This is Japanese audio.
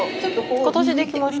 今年できました。